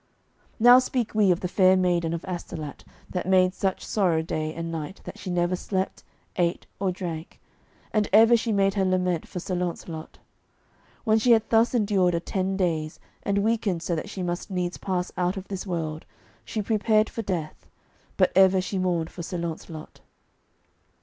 Now speak we of the Fair Maiden of Astolat, that made such sorrow day and night that she never slept, ate, or drank, and ever she made her lament for Sir Launcelot. When she had thus endured a ten days, and weakened so that she must needs pass out of this world, she prepared for death, but ever she mourned for Sir Launcelot.